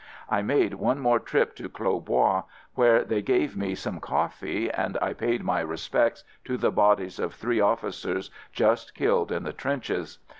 I made one more trip to Clos Bois, where they gave me some coffee and I paid my respects to the bodies of three officers just killed in the trenches.